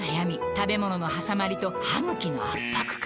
食べ物のはさまりと歯ぐきの圧迫感